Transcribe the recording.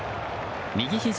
右ひじ